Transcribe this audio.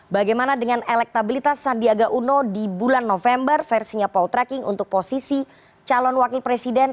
bagaimana dengan elektabilitas sandiaga uno di bulan november versinya poltreking untuk posisi calon wakil presiden